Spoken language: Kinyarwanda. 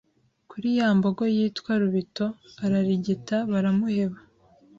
kuri ya mbogo yitwaga Rubito, ararigita baramuheba